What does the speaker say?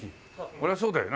そりゃそうだよな。